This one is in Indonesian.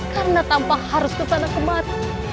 karena tanpa harus ke sana kemarin